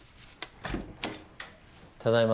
・ただいま。